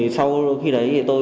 sau khi đấy tôi